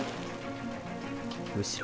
後ろ。